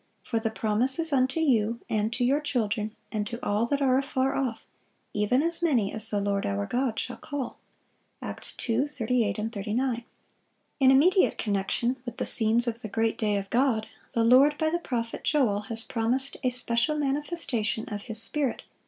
For the promise is unto you, and to your children, and to all that are afar off, even as many as the Lord our God shall call." Acts 2:38, 39. In immediate connection with the scenes of the great day of God, the Lord by the prophet Joel has promised a special manifestation of His Spirit.